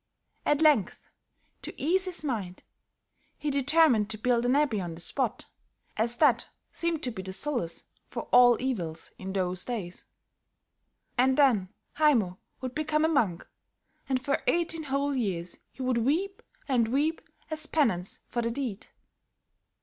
At length, to ease his mind, he determined to build an abbey on the spot, as that seemed to be the solace for all evils, in those days. And then Haymo would become a monk, and for eighteen whole years he would weep and weep as penance for the deed.